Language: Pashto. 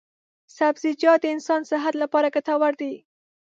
سبزیجات د انسان صحت لپاره ګټور دي.